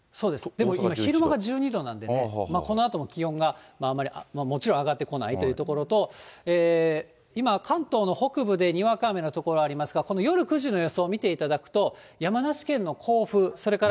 でも昼間が１２度なんでね、このあとも気温があんまりもちろん上がってこないというところと、今、関東の北部でにわか雨の所ありますが、この夜９時の予想を見ていただくと、山梨県の甲府、それから。